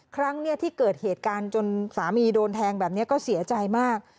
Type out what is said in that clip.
ครั้งที่เกิดเหตุการณ์จนสามีโดนแทงแบบนี้ก็เสียใจมาก